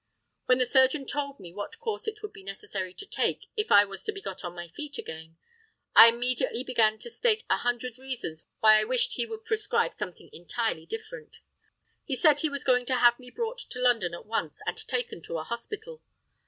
When the surgeon told me what course it would be necessary to take if I was to be got on to my feet again, I immediately began to state a hundred reasons why I wished he would prescribe something entirely different. He said he was going to have me brought to London at once and taken to a hospital.